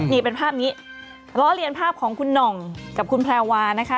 นี่เป็นภาพนี้ล้อเลียนภาพของคุณหน่องกับคุณแพรวานะคะ